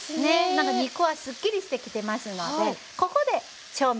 何か肉はすっきりしてきてますのでここで調味しましょう。